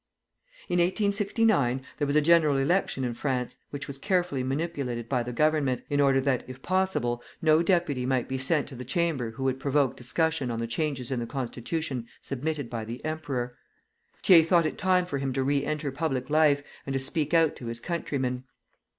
In 1869 there was a general election in France, which was carefully manipulated by the Government, in order that, if possible, no deputy might be sent to the Chamber who would provoke discussion on the changes in the Constitution submitted by the emperor. Thiers thought it time for him to re enter public life and to speak out to his countrymen.